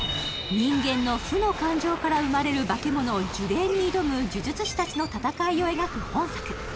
人間の負の感情から生まれる化け物呪霊に挑む呪術師達の戦いを描く本作